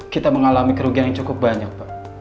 kita mengalami kerugian yang cukup banyak pak